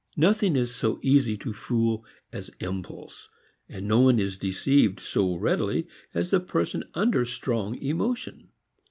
Nothing is so easy to fool as impulse and no one is deceived so readily as a person under strong emotion.